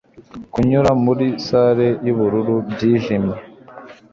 Kunyura muri salle yubururu bwijimye